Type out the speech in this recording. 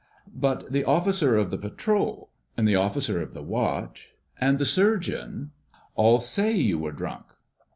"But the Officer of the Patrol and the Officer of the Watch and the Surgeon all say you were drunk."